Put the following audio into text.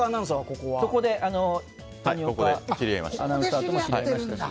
ここで谷岡アナウンサーとも知り合いました。